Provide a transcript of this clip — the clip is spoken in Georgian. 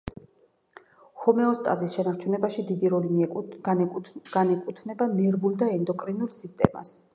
ჰომეოსტაზის შენარჩუნებაში დიდი როლი განეკუთვნება ნერვულ და ენდოკრინულ სისტემას.